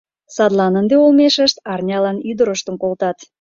Садлан ынде олмешышт арнялан ӱдырыштым колтат.